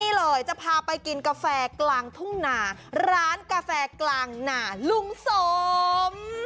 นี่เลยจะพาไปกินกาแฟกลางทุ่งนาร้านกาแฟกลางหนาลุงสม